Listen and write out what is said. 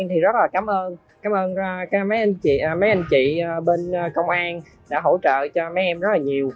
em thì rất là cảm ơn cảm ơn mấy anh chị bên công an đã hỗ trợ cho mấy em rất là nhiều